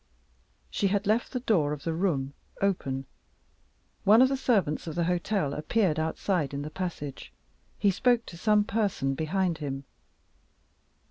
She had left the door of the room open. One of the servants of the hotel appeared outside in the passage. He spoke to some person behind him.